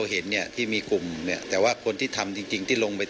หากผู้ต้องหารายใดเป็นผู้กระทำจะแจ้งข้อหาเพื่อสรุปสำนวนต่อพนักงานอายการจังหวัดกรสินต่อไป